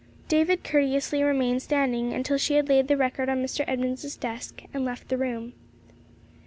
David courteously remained standing until she had laid the record on Mr. Edmunds's desk and left the room.